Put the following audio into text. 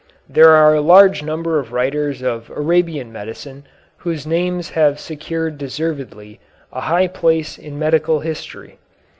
There are a large number of writers of Arabian medicine whose names have secured deservedly a high place in medical history.